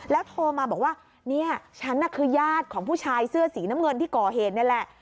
โทรมาบอกว่าเนี่ยฉันน่ะคือญาติของผู้ชายเสื้อสีน้ำเงินที่ก่อเหตุนี่แหละ